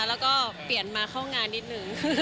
แล้วก็เปลี่ยนมาเข้างานนิดนึง